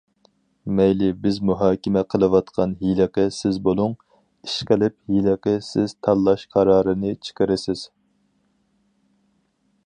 مەيلى بىز مۇھاكىمە قىلىۋاتقان ھېلىقى« سىز» بولۇڭ، ئىشقىلىپ ھېلىقى سىز تاللاش قارارىنى چىقىرىسىز.